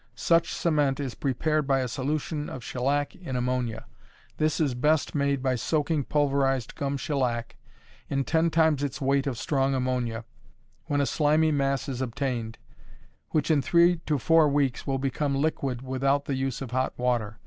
Such cement is prepared by a solution of shellac in ammonia. This is best made by soaking pulverized gum shellac in ten times its weight of strong ammonia, when a slimy mass is obtained, which in three to four weeks will become liquid without the use of hot water.